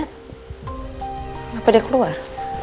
kenapa dia keluar